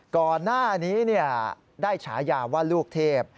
ก่อนหน้านี้ได้ฉายาว่าลูกเทพ